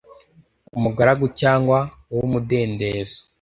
umugaragu cyangwa uw’umudendezo